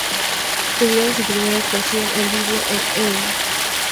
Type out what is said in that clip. Tuvieron su primera actuación en vivo en "M!